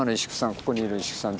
ここにいる石工さん